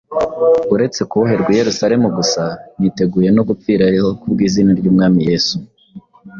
Uretse kuboherwa i Yerusalemu gusa, niteguye no gupfirayo kubw’izina ry’Umwami Yesu